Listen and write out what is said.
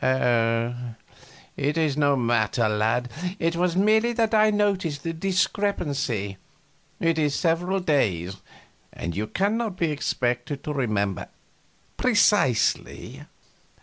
"Oh, it is no matter, lad; it was merely that I noticed the discrepancy. It is several days, and you cannot be expected to remember precisely.